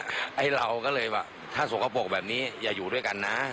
ไอ้เราก็เลยว่าถ้าสกปรกแบบนี้อย่าอยู่ด้วยกันนะ